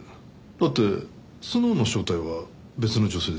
だってスノウの正体は別の女性ですから。